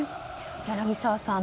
柳澤さん